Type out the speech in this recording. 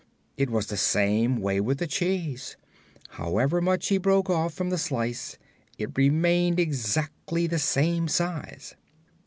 It was the same way with the cheese: however much he broke off from the slice, it remained exactly the same size.